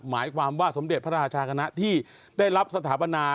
หมายความว่าสมเด็จพระราชาคณะที่ได้รับสถาปนา